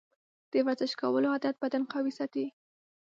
د ورزش کولو عادت بدن قوي ساتي.